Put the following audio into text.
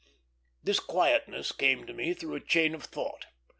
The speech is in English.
This quietness came to me through a chain of thought.